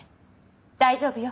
大丈夫よ。